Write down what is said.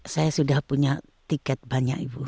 saya sudah punya tiket banyak ibu